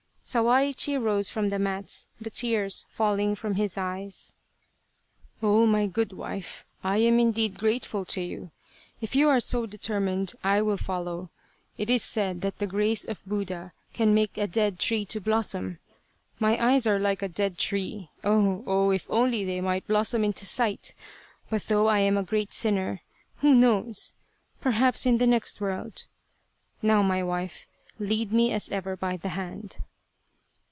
Sawaichi rose from the mats, the tears falling from his eyes. " Oh, my good wife, I am indeed grateful to you. If you are so determined I will follow. It is said that the grace of Buddha can make a dead tree to blossom. My eyes are like a dead tree ... oh, oh, if only they might blossom into sight ! But though I am a great sinner ... who knows ? Perhaps in the next world ?... Now my wife, lead me as ever by the hand